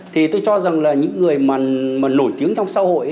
thì tôi cho rằng là những người mà nổi tiếng trong xã hội